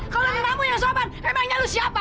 kalau ada kamu yang sopan emangnya lo siapa